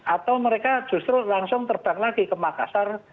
atau mereka justru langsung terbang lagi ke makassar